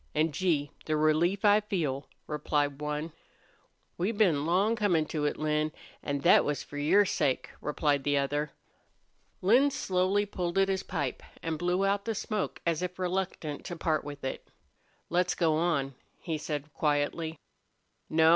An', Gee! the relief I feel!" replied one. "We've been long comin' to it, Lin, an' thet was for your sake," replied the other. Lin slowly pulled at his pipe and blew out the smoke as if reluctant to part with it. "Let's go on," he said, quietly. "No.